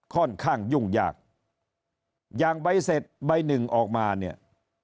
ค่อนข้างยุ่งยากอย่างใบเสร็จใบหนึ่งออกมาเนี่ย